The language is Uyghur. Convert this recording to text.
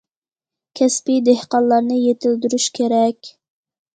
كەسپىي دېھقانلارنى يېتىلدۈرۈش كېرەك.